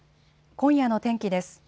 今夜の天気です。